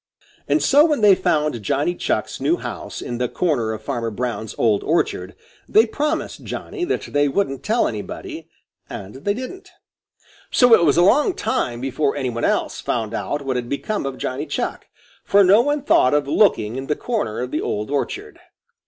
And so when they found Johnny Chuck's new house in the corner of Farmer Brown's old orchard, they promised Johnny that they wouldn't tell anybody, and they didn't. So it was a long time before any one else found out what had become of Johnny Chuck, for no one thought of looking in the corner of the old orchard.